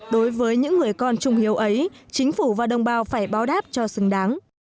đối với những người con trung hiếu ấy chính phủ và đồng bào phải báo đáp cho xứng đáng